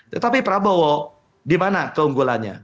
tetapi prabowo di mana keunggulannya